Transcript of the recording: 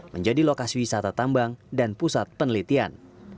menjadi lokasi wisata tambang dan pusat penelitian